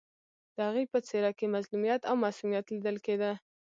د هغې په څېره کې مظلومیت او معصومیت لیدل کېده